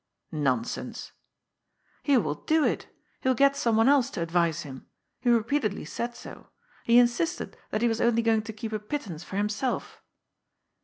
" Nonsense I "" He will do it. He will get some one else to advise him. He repeatedly said so. He insisted that he was only going to keep a pittance for himself."